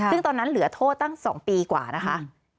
ซึ่งตอนนั้นเหลือโทษตั้ง๒ปีกว่านะคะ